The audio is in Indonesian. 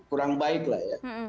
kurang baiklah ya